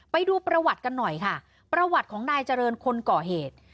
ไปดูประวัติกันหน่อยค่ะประวัติของนายเจริญคนก่อเหตุ